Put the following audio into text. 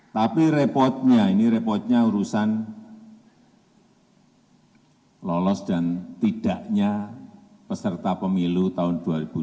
tapi repotnya ini repotnya urusan lolos dan tidaknya peserta pemilu tahun dua ribu dua puluh